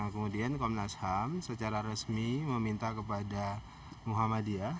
kemudian komnas ham secara resmi meminta kepada muhammadiyah